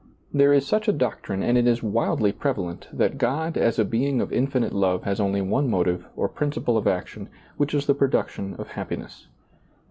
There is such a doctrine, and it is widely prevalent, that God as a Being of infinite love has only one motive or principle of action, which is the production of happiness.